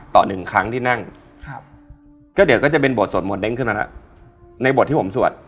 หนึ่งครั้งที่นั่งครับก็เดี๋ยวก็จะเป็นบทสวดโมเด้งขึ้นมาแล้วในบทที่ผมสวด